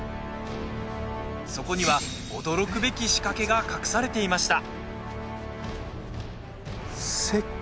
そこには、驚くべき仕掛けが隠されていました。